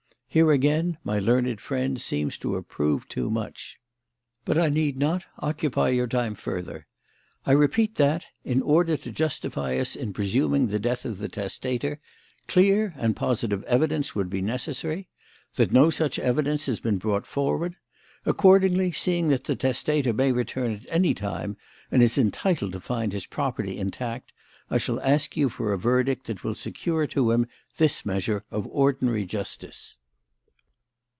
Here again my learned friend seems to have proved too much." "But I need not occupy your time further. I repeat that, in order to justify us in presuming the death of the testator, clear and positive evidence would be necessary. That no such evidence has been brought forward. Accordingly, seeing that the testator may return at any time and is entitled to find his property intact, I shall ask you for a verdict that will secure to him this measure of ordinary justice."